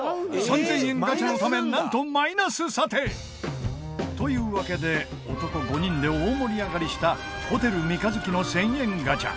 ガチャのためなんとマイナス査定！というわけで男５人で大盛り上がりしたホテル三日月の１０００円ガチャ。